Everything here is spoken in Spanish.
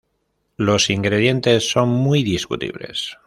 Los ingredientes son muy discutibles.